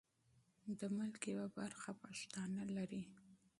د ملک یوه برخه پښتانه لري.